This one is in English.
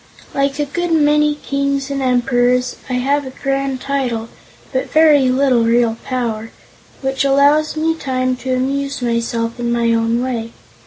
Like a good many kings and emperors, I have a grand title, but very little real power, which allows me time to amuse myself in my own way.